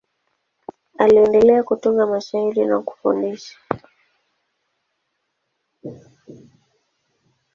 Aliendelea kutunga mashairi na kufundisha.